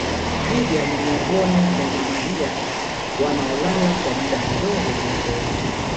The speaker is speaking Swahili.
Twiga ni miongoni mwa mamalia wanaolala kwa muda kidogo kuliko wote